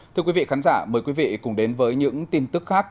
thưa quý vị khán giả mời quý vị cùng đến với những tin tức khác